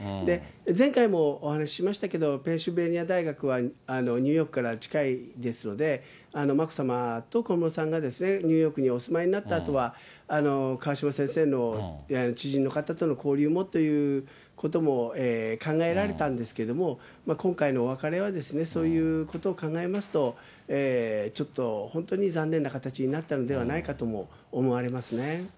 前回もお話ししましたけれども、ペンシルベニア大学はニューヨークから近いですので、眞子さまと小室さんがニューヨークにお住まいになったあとは、川嶋先生の知人の方との交流もということも考えられたんですけれども、今回のお別れは、そういうことを考えますと、ちょっと、本当に残念な形になったのではないかとも思われますね。